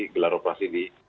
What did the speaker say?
gelar operasi di